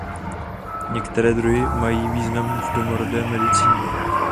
Některé druhy mají význam v domorodé medicíně.